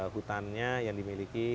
hutannya yang dimiliki